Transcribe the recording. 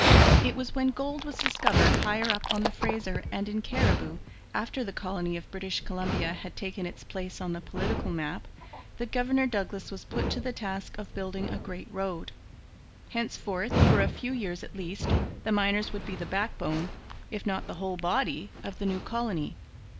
It was when gold was discovered higher up on the Fraser and in Cariboo, after the colony of British Columbia had taken its place on the political map, that Governor Douglas was put to the task of building a great road. Henceforth, for a few years at least, the miners would be the backbone, if not the whole body, of the new colony.